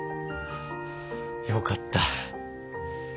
よかった。